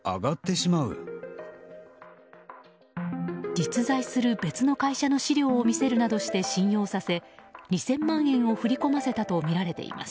実在する別の会社の資料を見せるなどして信用させ２０００万円を振り込ませたとみられています。